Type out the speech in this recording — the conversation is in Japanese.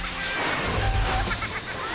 アハハハハハハ！